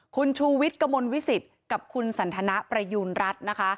คุณชูวิทย์กระมวลวิสิตกับคุณสันทนาประยูณรัฐนะคะ